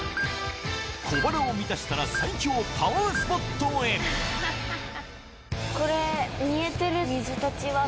小腹を満たしたら最強パワースポットへこれ。